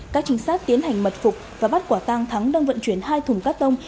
các trinh sát tiến hành mật phục và bắt quả tang thắng đang vận chuyển hai thùng cát tông